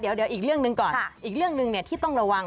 เดี๋ยวอีกเรื่องหนึ่งก่อนอีกเรื่องหนึ่งที่ต้องระวัง